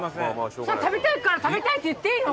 食べたいから食べたいって言っていいの？